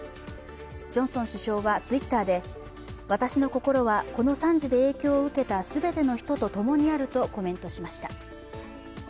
ジョンソン首相はＴｗｉｔｔｅｒで私の心はこの惨事で影響を受けた全ての人と共にあるとコメントしました。